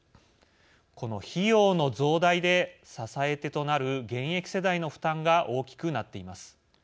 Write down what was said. この費用の増大で支え手となる現役世代の負担が大きくなっています。